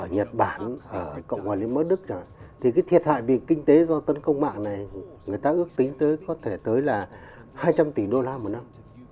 nhật bản cộng hòa liên mát đức rồi thì cái thiệt hại về kinh tế do tấn công mạng này người ta ước tính tới có thể tới là hai trăm linh tỷ đô la một năm